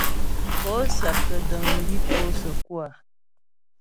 Pó syáptə́ dəŋ bi pó səkú a ?